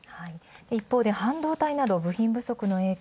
一方で半導体など部品不足の影響